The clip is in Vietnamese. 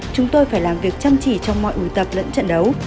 chúng tôi phải làm việc chăm chỉ trong mọi buổi tập lẫn trận đấu